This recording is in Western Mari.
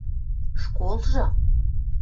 — Школжы?